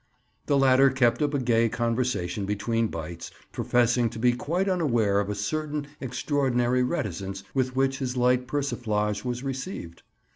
The latter kept up a gay conversation between bites, professing to be quite unaware of a certain extraordinary reticence with which his light persiflage was received.